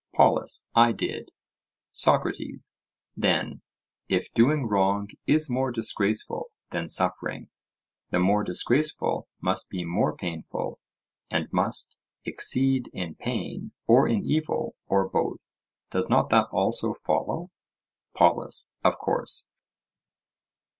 POLUS: I did. SOCRATES: Then, if doing wrong is more disgraceful than suffering, the more disgraceful must be more painful and must exceed in pain or in evil or both: does not that also follow? POLUS: Of course.